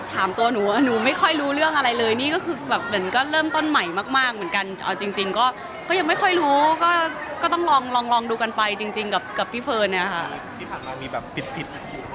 ถามตัวหนูว่าหนูไม่ค่อยรู้เรื่องอะไรเลยนี่ก็คือแบบเหมือนก็เริ่มต้นใหม่มากเหมือนกันจริงจริงก็ก็ยังไม่ค่อยรู้ก็ก็ต้องลองลองลองดูกันไปจริงจริงกับกับพี่เฟิร์นเนี้ยค่ะมีแบบปิดปิด